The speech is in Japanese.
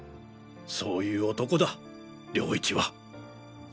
そういう男だ涼一は。